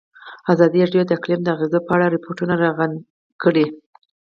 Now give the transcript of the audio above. ازادي راډیو د اقلیم د اغېزو په اړه ریپوټونه راغونډ کړي.